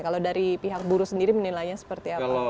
kalau dari pihak buruh sendiri menilainya seperti apa